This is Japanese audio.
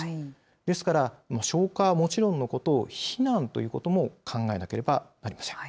ですから、消火はもちろんのこと、避難ということも考えなければなりません。